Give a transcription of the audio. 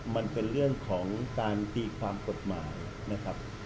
มันเป็นเรื่องของการตีความกฎหมายนะครับ